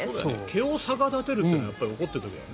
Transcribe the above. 毛を逆立てるというのは怒っている時だよね。